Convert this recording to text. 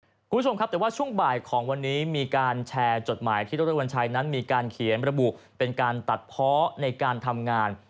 คุณผู้ชมครับแต่ว่าช่วงบ่ายของวันนี้มีการแชร์จดหมายที่ดรวัญชัยนั้นมีการเขียนระบุเป็นการตัดเพาะในการทำงาน